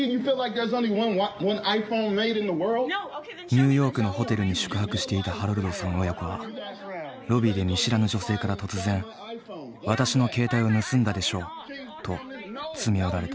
ニューヨークのホテルに宿泊していたハロルドさん親子はロビーで見知らぬ女性から突然私の携帯を盗んだでしょうと詰め寄られた。